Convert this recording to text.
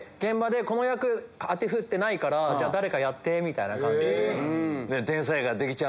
この役当て振ってないから誰かやって！みたいな感じで。